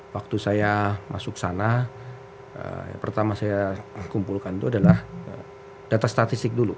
waktu saya masuk sana yang pertama saya kumpulkan itu adalah data statistik dulu